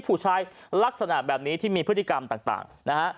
ผู้ชายลักษณะแบบนี้ที่มีพฤติกรรมต่างนะฮะ